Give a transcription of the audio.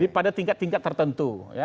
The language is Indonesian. pada tingkat tingkat tertentu